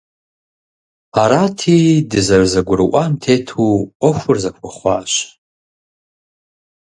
Арати, дызэрызэгурыӀуам тету Ӏуэхур зэхуэхъуащ.